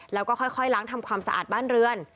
แล้วก็ค่อยล้างทำความสะอาดบ้านเรือน